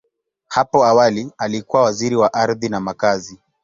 Hapo awali, alikuwa Waziri wa Ardhi na Makazi.